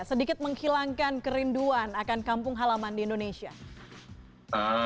sedikit menghilangkan kerinduan akan kampung halaman di indonesia